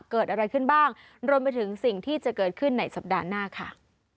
เกิดอะไรขึ้นบ้างรวมไปถึงสิ่งที่จะเกิดขึ้นในสัปดาห์หน้าค่ะ